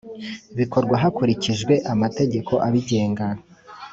bikorwa hakurikijwe amategeko abigenga